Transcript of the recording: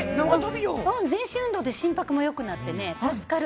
全身運動で心拍もよくなって助かる。